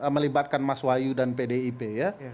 melibatkan mas wahyu dan pdip ya